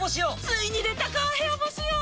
ついに出たか部屋干し用！